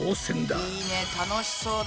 いいね楽しそうだ！